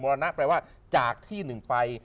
รณะแปลว่าจากที่หนึ่งไป